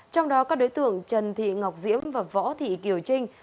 trong đó các đối tượng trần thị ngọc diễm và võ thị kiều trinh